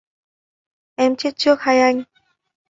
Em chết trước hay anh.